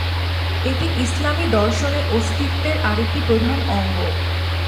এটি ইসলামি দর্শনে অস্তিত্বের আরেকটি প্রধান অঙ্গ।